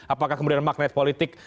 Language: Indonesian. apakah kemudian magnet politik